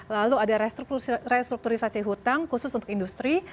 lalu ada restrukturisasi hutang khusus untuk industri